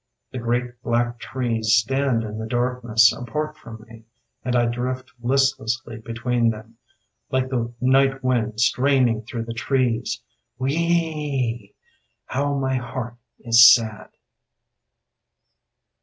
The great black trees stand in the darkness Apart from me. And I drift listlessly between them Like the night wind straining through the trees. Whee e e e e e. How my heart is sad.